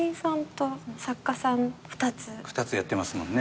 ２つやってますもんね。